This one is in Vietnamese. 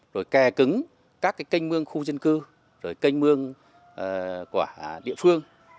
rồi kè cứng các kênh mương khu dân cư rồi kênh mương của địa phương